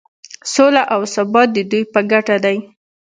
سوله او ثبات د دوی په ګټه دی.